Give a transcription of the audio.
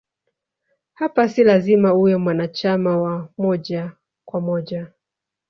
Hapa si lazima uwe mwanachama wa moja kwa moja